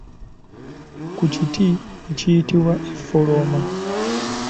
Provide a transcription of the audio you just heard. Ku kiti ekiyitibwa effolooma.